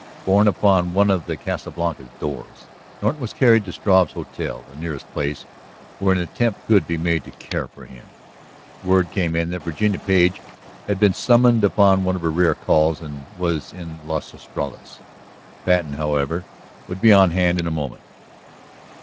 Borne upon one of the Casa Blanca's doors Norton was carried to Struve's hotel, the nearest place where an attempt could be made to care for him. Word came in that Virginia Page had been summoned upon one of her rare calls and was in Las Estrellas. Patten, however, would be on hand in a moment.